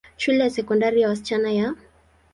Shule ya Sekondari ya wasichana ya Mt.